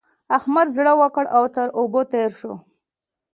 احمد زړه وکړه او تر اوبو تېر شه.